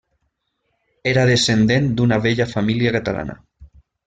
Era descendent d'una vella família catalana.